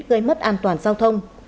gây mất an toàn giao thông